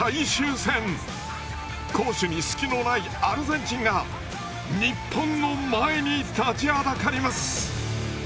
攻守に隙のないアルゼンチンが日本の前に立ちはだかります。